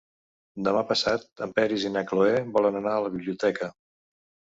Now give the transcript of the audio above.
Demà passat en Peris i na Cloè volen anar a la biblioteca.